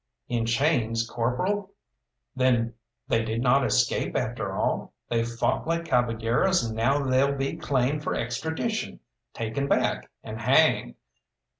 "In chains, corporal? Then they did not escape after all! They fought like caballeros, and now they'll be claimed for extradition, taken back, and hanged!